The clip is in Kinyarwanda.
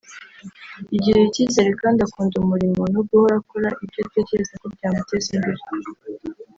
yigirira icyizere kandi akunda umurimo no guhora akora ibyo atekereza ko byamuteza imbere